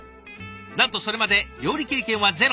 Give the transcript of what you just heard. なんとそれまで料理経験はゼロ。